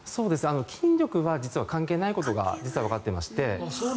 筋力は実は関係ないことがわかっていまして。